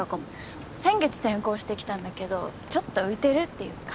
先月転校してきたんだけどちょっと浮いてるっていうか。